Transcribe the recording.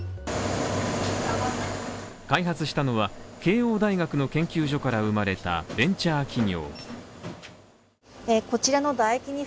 開発したのは、慶応大学の研究所から生まれたベンチャー企業。